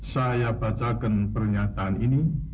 saya bacakan pernyataan ini